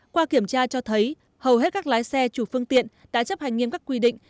qua kiểm tra cho thấy hầu hết các lái xe chủ phương tiện đã chấp hành nghiêm các quy định